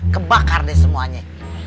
kebakar deh semuanya